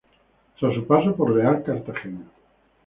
Tras su paso por Real Cartagena.